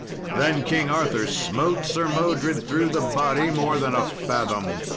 Then King Arthur smote Sir Modred through the body more than a fathom.